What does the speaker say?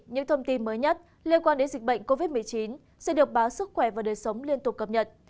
những thông tin mới nhất liên quan đến dịch bệnh covid một mươi chín sẽ được báo sức khỏe và đời sống liên tục cập nhật